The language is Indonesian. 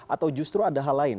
atau justru ada hal lain